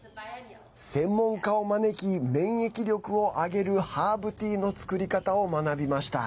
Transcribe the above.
専門家を招き免疫力を上げるハーブティーの作り方を学びました。